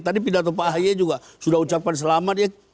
tadi pidato pak haye juga sudah ucapkan selamat